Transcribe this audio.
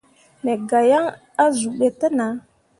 Me gah yaŋ azuu ɓe te nah.